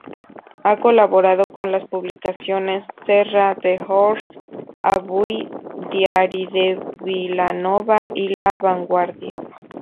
Ha colaborado con las publicaciones Serra d'Or, Avui, Diari de Vilanova y La Vanguardia.